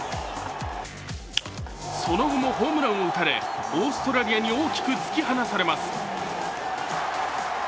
その後もホームランを打たれ、オーストラリアに大きく突き放されます。